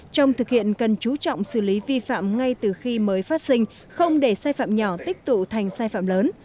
trong thực hiện cần chú trọng xử lý vi phạm ngay từ khi mới phát sinh không để sai phạm nhỏ tích tụ thành sai phạm lớn